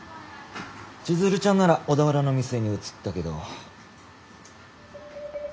千鶴ちゃんなら小田原の店に移ったけど。